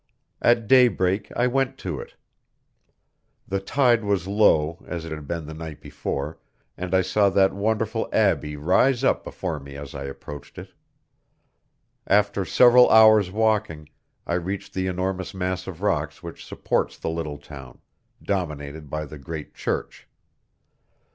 At daybreak I went to it. The tide was low as it had been the night before, and I saw that wonderful abbey rise up before me as I approached it. After several hours' walking, I reached the enormous mass of rocks which supports the little town, dominated by the great church.